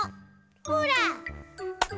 ほら！